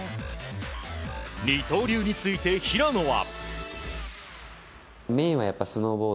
二刀流について平野は。